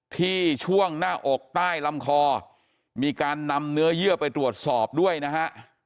ช่วงหน้าอกใต้ลำคอมีการนำเนื้อเยื่อไปตรวจสอบด้วยนะฮะ